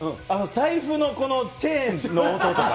財布のチェーンの音とか。